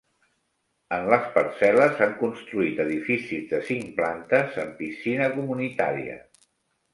En les parcel·les han construït edificis de cinc plantes amb piscina comunitària.